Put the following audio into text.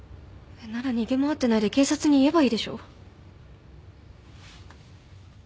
なら逃げ回ってないで警察に言えばいいでしょ。